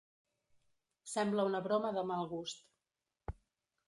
Sembla una broma de mal gust.